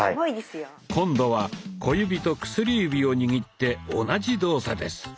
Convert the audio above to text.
今度は小指と薬指を握って同じ動作です。